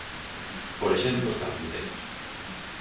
Por exemplo, os carpinteiros.